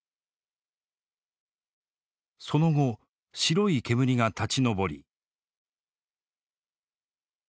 その後白い煙が立ち上り。